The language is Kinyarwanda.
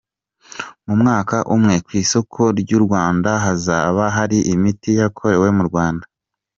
Mu mwaka umwe, ku isoko ry’u Rwanda hazaba hari imiti yakorewe mu Rwanda.